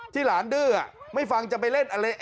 หลานดื้อไม่ฟังจะไปเล่นอะไร